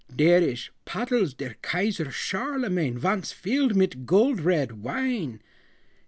Der ish pottles der Kaiser Charlemagne Vonce filled mit gold red wine!"